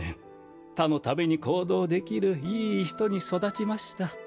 他のために行動できるいい人に育ちました。